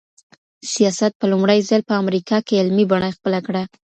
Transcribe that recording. سیاست په لومړي ځل په امریکا کي علمي بڼه خپله کړه.